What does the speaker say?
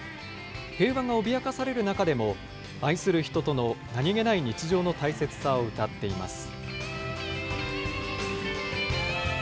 平和が脅かされる中でも、愛する人との何気ない日常の大切さを歌っています。